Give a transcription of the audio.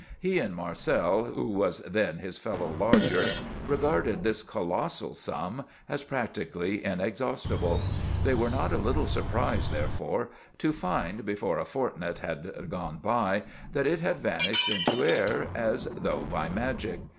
He and Marcel, who was then his fellow lodger, regarded this colossal sum as practically inexhaustible; they were not a little surprised, therefore, to find, before a fortnight had gone by, that it had vanished into air, as though by magic.